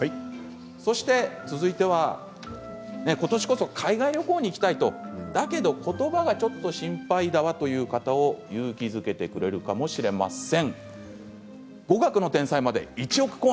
そして続いては今年こそ海外旅行に行きたいだけど言葉はちょっと心配だわという方を勇気づけてくれる本かもしれません。